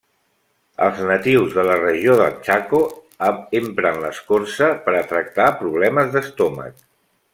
Els natius de la regió del Chaco empren l'escorça per a tractar problemes d'estómac.